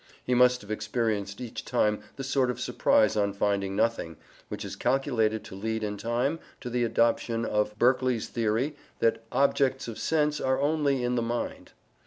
He must have experienced each time the sort of surprise on finding nothing, which is calculated to lead in time to the adoption of Berkeley's theory that objects of sense are only in the mind.